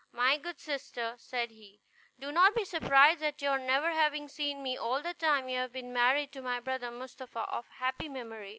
"My good sister," said he, "do not be surprised at your never having seen me all the time you have been married to my brother Mustapha of happy memory.